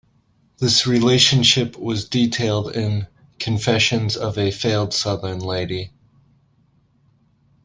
This relationship was detailed in "Confessions of a Failed Southern Lady".